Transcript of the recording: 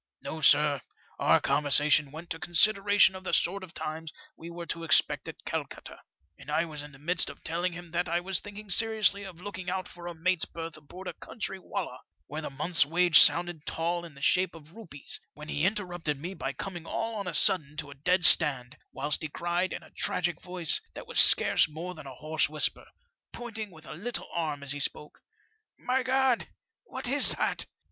No, sir; our conversation went to consideration of the sort of times we were to expect at Calcutta, and I was in the midst of telling him that I was thinking seriously of looking out for a mate's FOUL OF A WATERSPOUT. 79 berth aboard a country wallah, where the month's wage sounded tall in the shape of rupees, when he interrupted me by coming all on a sudden to a dead stand, whilst he cried, in a tragic voice, that was scarce more than a hoarse whisper, pointing with a little arm as he spoke —"' My God, what is that